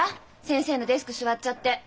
先生のデスク座っちゃって。